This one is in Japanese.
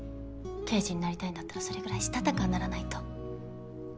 刑事になりたいんだったらそれぐらいしたたかにならないと。